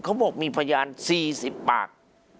เขาบอกมีพยาน๔๐ปาก